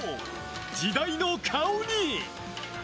時代の顔に。